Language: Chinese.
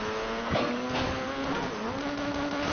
短辐水芹是伞形科水芹属的植物。